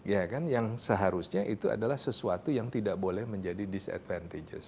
ya kan yang seharusnya itu adalah sesuatu yang tidak boleh menjadi dis advantage